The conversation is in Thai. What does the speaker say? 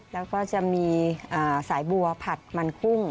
แล้วก็จะมีสายบัวผัดมันกุ้ง